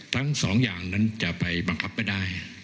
ทั้งสองอย่างนั้นจะไปบังคับไม่ได้